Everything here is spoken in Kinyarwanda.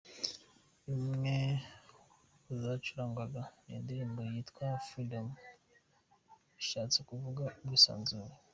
Imwe mu zacurangwaga ni indirimbo ye yitwa Freedom, bishatse kuvuga ubwisanzure.